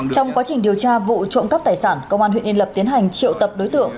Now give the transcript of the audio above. trong quá trình điều tra vụ trộm cắp tài sản công an huyện yên lập tiến hành triệu tập đối tượng